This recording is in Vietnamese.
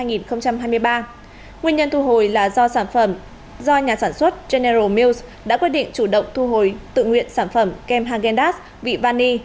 nguyên nhân thu hồi là do nhà sản xuất general mills đã quyết định chủ động thu hồi tự nguyện sản phẩm kem hagendaz vị vani